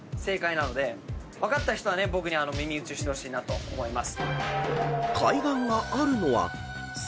分かった人は僕に耳打ちしてほしいなと思います。